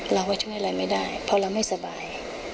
เราก็ช่วยอะไรไม่ได้เพราะเราไม่สบาย